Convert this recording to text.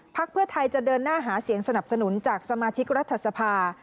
เพื่อไทยจะเดินหน้าหาเสียงสนับสนุนจากสมาชิกรัฐสภา